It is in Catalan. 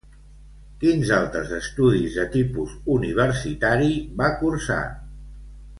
Quins altres estudis de tipus universitari va cursar?